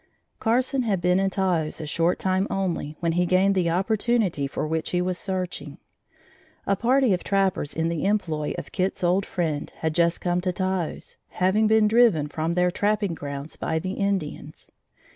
Carson had been in Taos a short time only when he gained the opportunity for which he was searching. A party of trappers in the employ of Kit's old friend had just come to Taos, having been driven from their trapping grounds by the Indians.